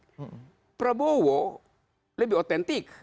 nah prabowo lebih otentik